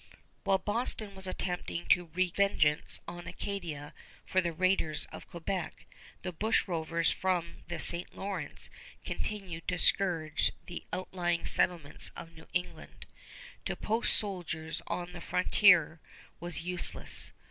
While Boston was attempting to wreak vengeance on Acadia for the raiders of Quebec, the bushrovers from the St. Lawrence continued to scourge the outlying settlements of New England. To post soldiers on the frontier was useless.